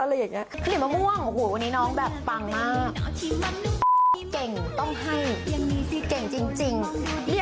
อะไรอย่างเนี้ย